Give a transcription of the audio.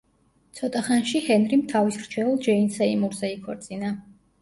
ცოტა ხანში, ჰენრიმ თავის რჩეულ ჯეინ სეიმურზე იქორწინა.